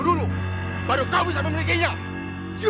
kau tidak bisa menangkapku